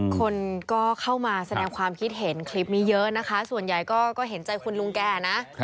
คนก็เข้ามาแสดงความคิดเห็นคลิปนี้เยอะนะคะส่วนใหญ่ก็เห็นใจคุณลุงแกนะ